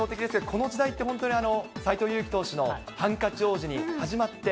この時代って、本当に斎藤佑樹投手のハンカチ王子に始まって。